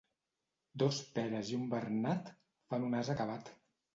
Dos Peres i un Bernat fan un ase acabat.